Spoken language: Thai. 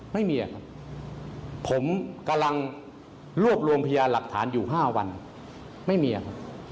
ไม่มีครับผมกำลังรวบรวมพยานหลักฐานอยู่๕วันไม่มีครับ